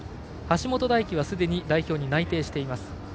橋本大輝はすでに代表に内定しています。